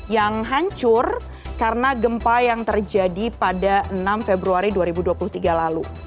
yang hancur karena gempa yang terjadi pada enam februari dua ribu dua puluh tiga lalu